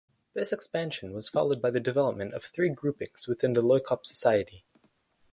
This expansion was followed by the development of three groupings within the Loikop society.